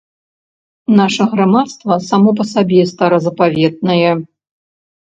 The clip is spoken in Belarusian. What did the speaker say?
Наша грамадства само па сабе старазапаветнае.